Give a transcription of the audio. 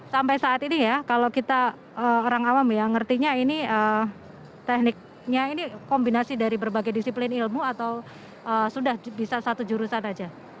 sampai saat ini ya kalau kita orang awam ya ngertinya ini tekniknya ini kombinasi dari berbagai disiplin ilmu atau sudah bisa satu jurusan saja